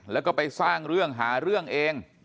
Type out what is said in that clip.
แล้วก็ไปสร้างเรื่องหาเรื่องเอง